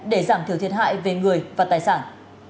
để giảm thiểu thiệt hại về người và tài sản